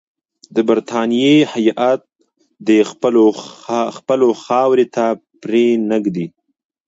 د برټانیې هیات دي خپلو خاورې ته پرې نه ږدي.